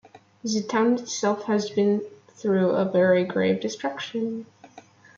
The town itself has been through a very grave destruction.